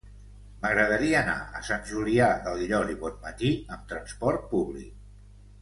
M'agradaria anar a Sant Julià del Llor i Bonmatí amb trasport públic.